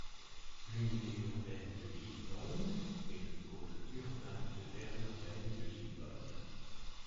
L'unité urbaine de Lillebonne est le pôle urbain de l'aire urbaine de Lillebonne.